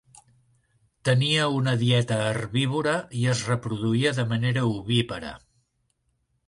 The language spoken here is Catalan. Tenia una dieta herbívora i es reproduïa de manera ovípara.